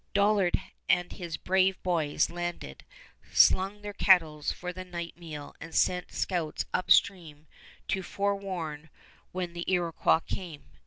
Dollard and his brave boys landed, slung their kettles for the night meal, and sent scouts upstream to forewarn when the Iroquois came.